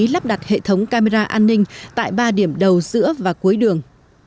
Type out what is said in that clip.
lắp đặt hệ thống camera an ninh tại ba điểm đầu giữa và cuối đường